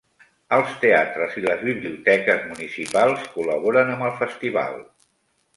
Els teatres i les biblioteques municipals col·laboren amb el Festival.